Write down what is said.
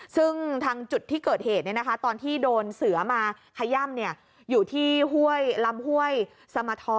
ซึ่งทางจุดที่เกิดเหตุเนี่ยนะคะตอนที่โดนเสือมาขยับเนี่ยอยู่ที่ห้วยลำห้วยสมท้อ